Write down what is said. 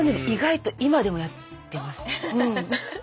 意外と今でもやってますうん。